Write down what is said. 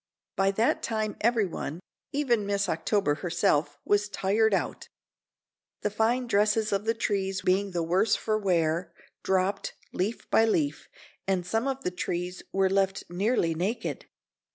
By that time everyone, even Miss October herself, was tired out. The fine dresses of the trees being the worse for wear, dropped, leaf by leaf, and some of the trees were left nearly naked.